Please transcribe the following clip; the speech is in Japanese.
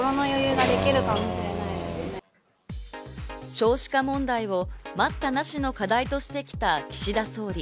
少子化問題を待ったなしの課題としてきた岸田総理。